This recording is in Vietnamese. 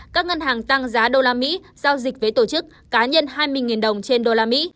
các ngân hàng tăng giá đô la mỹ giao dịch với tổ chức cá nhân hai mươi đồng trên đô la mỹ